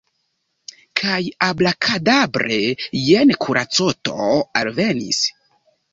Kaj abrakadabre – jen kuracoto alvenis.